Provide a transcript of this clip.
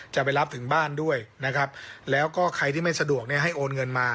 จะไปรับถึงบ้านด้วยนะครับแล้วก็ใครที่ไม่สะดวกเนี่ยให้โอนเงินมา